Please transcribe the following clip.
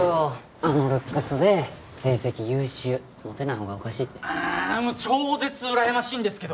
あのルックスで成績優秀モテない方がおかしいってあもう超絶うらやましいんですけど！